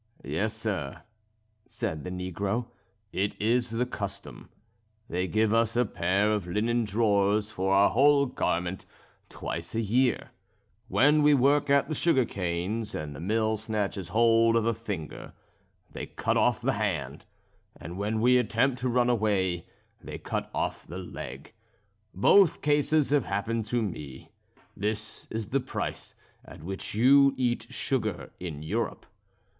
"Yes, sir," said the negro, "it is the custom. They give us a pair of linen drawers for our whole garment twice a year. When we work at the sugar canes, and the mill snatches hold of a finger, they cut off the hand; and when we attempt to run away, they cut off the leg; both cases have happened to me. This is the price at which you eat sugar in Europe.